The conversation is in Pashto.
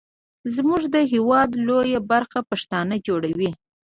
زمونږ د هیواد لویه برخه پښتانه جوړوي.